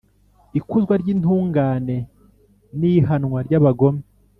Ikuzwa ry’intungane n’ihanwa ry’abagome